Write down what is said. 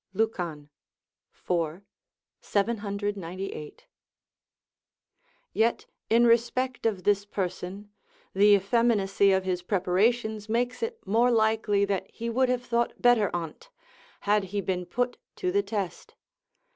"Lucan, iv. 798.] Yet in respect of this person, the effeminacy of his preparations makes it more likely that he would have thought better on't, had he been put to the test.